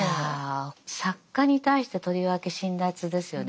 いや作家に対してとりわけ辛辣ですよね。